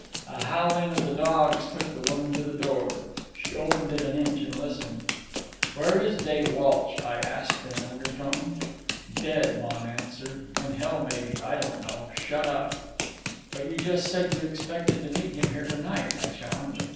A howling of the dogs took the woman to the door. She opened it an inch and listened. "Where is Dave Walsh?" I asked, in an undertone. "Dead," Lon answered. "In hell, maybe. I don't know. Shut up." "But you just said that you expected to meet him here to night," I challenged.